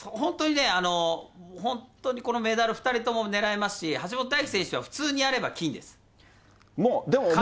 本当に、このメダル、２人とも狙えますし、橋本大輝選手は普もうでも。